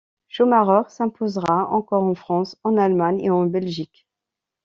Schumacher s'imposera encore en France, en Allemagne et en Belgique.